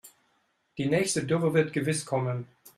Die nächste Dürre wird gewiss kommen.